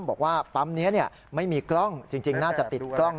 บอกว่าปั๊มนี้ไม่มีกล้องจริงน่าจะติดกล้อง